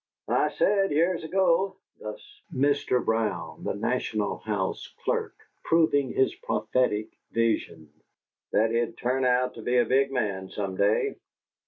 "I said, years ago" thus Mr. Brown, the "National House" clerk, proving his prophetic vision "that he'd turn out to be a big man some day."